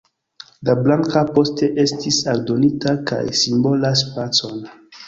La blanka poste estis aldonita kaj simbolas pacon.